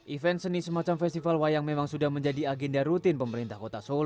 event seni semacam festival wayang memang sudah menjadi agenda rutin pemerintah kota solo